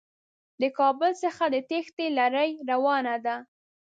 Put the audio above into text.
د کابل څخه د تېښتې لړۍ روانه ده.